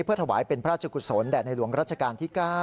เพื่อถวายเป็นพระราชกุศลแด่ในหลวงรัชกาลที่๙